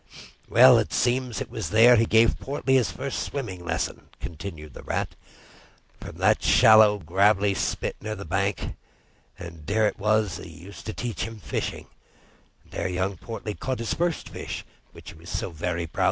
"Well, it seems that it was there he gave Portly his first swimming lesson," continued the Rat. "From that shallow, gravelly spit near the bank. And it was there he used to teach him fishing, and there young Portly caught his first fish, of which he was so very proud.